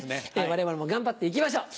我々も頑張って行きましょう。